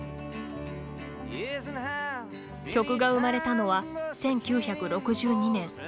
曲が生まれたのは、１９６２年。